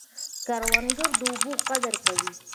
کروندګر د اوبو قدر کوي